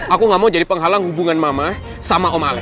aku gak mau jadi penghalang hubungan mama sama om ale